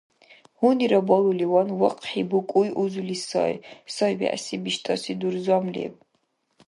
ХӀунира балуливан, вахъхӀи букӀуй узули сай, сай-вегӀси биштӀаси дурзам леб...